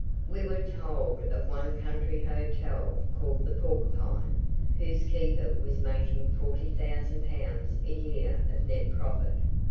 We were told of one country hotel called "The Porcupine," whose keeper was making 40,000 pounds a year of net profit.